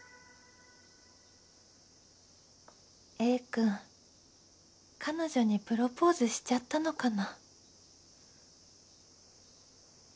Ａ くん彼女にプロポーズしちゃったのかな